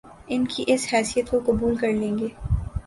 ان کی اس حیثیت کو قبول کریں گے